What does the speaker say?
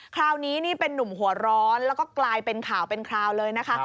คราวนี้นี่เป็นนุ่มหัวร้อนแล้วก็กลายเป็นข่าวเป็นคราวเลยนะคะ